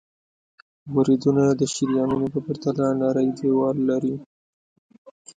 وریدونه د شریانونو په پرتله نری دیوال لري.